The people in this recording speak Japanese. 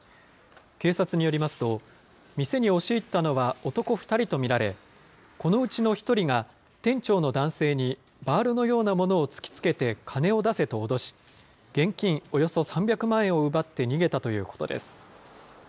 警察によりますと、店に押し入ったのは男２人と見られ、このうちの１人が店長の男性にバールのようなものを突きつけて金を出せと脅し、現金およそ３００万円を奪って逃げたということです。